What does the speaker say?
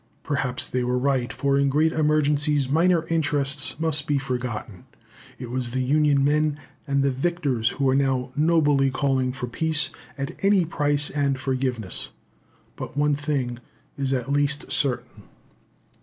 Perhaps they were right; for in great emergencies minor interests must be forgotten. It was the Union men and the victors who were now nobly calling for peace at any price and forgiveness. But one thing is at least certain.